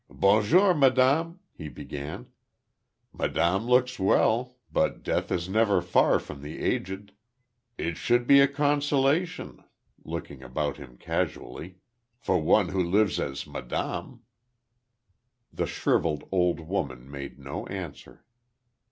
"Bon jour, madame," he began. "Madame looks well; but Death is never far from the aged.... It should be a consolation," looking about him, casually, "for one who lives as madame." The shrivelled old woman made no answer.